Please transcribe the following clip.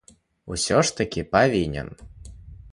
Усё ж такі павінен.